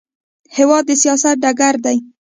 هېواد د سیاست ډګر دی.